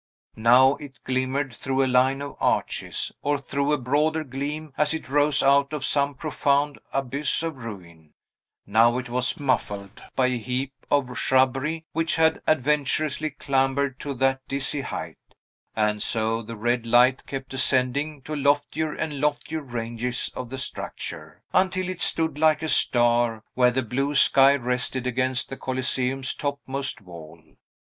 Now it glimmered through a line of arches, or threw a broader gleam as it rose out of some profound abyss of ruin; now it was muffled by a heap of shrubbery which had adventurously clambered to that dizzy height; and so the red light kept ascending to loftier and loftier ranges of the structure, until it stood like a star where the blue sky rested against the Coliseum's topmost wall.